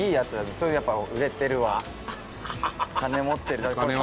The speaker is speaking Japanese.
それ、やっぱ売れてるわ、金持っているだけある。